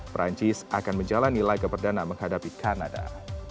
perancis akan menjalani laga perdana menghadapi kanada